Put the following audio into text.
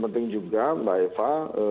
penting juga mbak eva